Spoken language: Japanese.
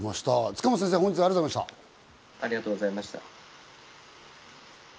塚本先生、ありがとうございました。